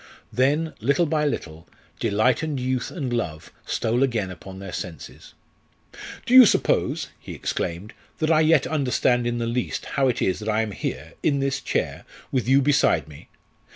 Then, little by little, delight and youth and love stole again upon their senses. "Do you suppose," he exclaimed, "that I yet understand in the least how it is that I am here, in this chair, with you beside me?